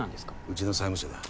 うちの債務者だ。